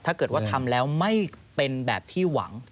ถ้าเกิดว่าทำแล้วไม่เป็นแบบที่หวัง